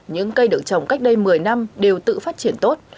những cây được trồng cách đây một mươi năm đều tự phát triển tốt